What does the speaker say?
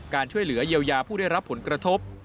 ช่วยเหลือเยียวยาผู้ได้รับผลกระทบ